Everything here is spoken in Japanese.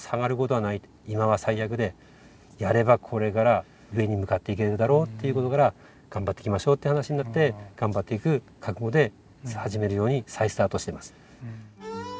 今は最悪でやればこれから上に向かっていけるだろうっていうところから頑張っていきましょうって話になって頑張っていく覚悟で始めるように再スタートしています。